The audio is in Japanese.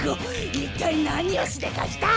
一体何をしでかした⁉ん？